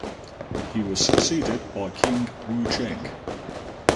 He was succeeded by King Wucheng.